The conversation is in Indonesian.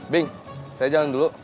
bing saya jalan dulu